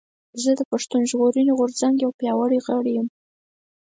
زه د پشتون ژغورنې غورځنګ يو پياوړي غړی یم